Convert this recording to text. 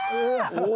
お。